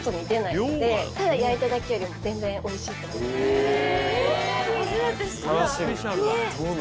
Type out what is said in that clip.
へぇ！